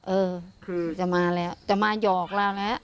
เออคือจะมาแล้วจะมาหยอกเราแล้ว